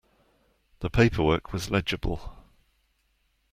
The paperwork was legible.